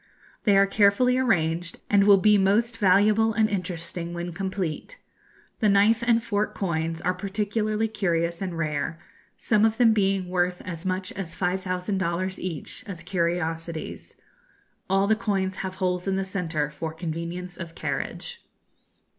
They are carefully arranged, and will be most valuable and interesting when complete. The knife and fork coins are particularly curious and rare, some of them being worth as much as 5,000 dollars each, as curiosities. All the coins have holes in the centre for convenience of carriage.